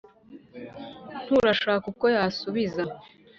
Nturo ashaka ukwo yasubiza